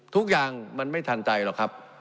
ทุกอย่างมันไม่ทันใจหรอกครับ